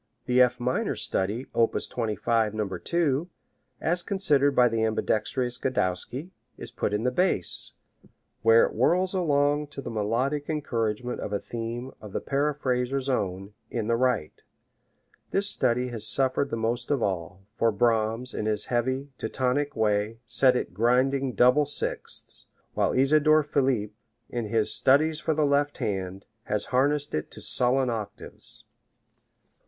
The F minor study, op. 25, No. 2, as considered by the ambidextrous Godowsky, is put in the bass, where it whirrs along to the melodic encouragement of a theme of the paraphraser's own, in the right. This study has suffered the most of all, for Brahms, in his heavy, Teutonic way, set it grinding double sixths, while Isidor Philipp, in his "Studies for the Left Hand," has harnessed it to sullen octaves.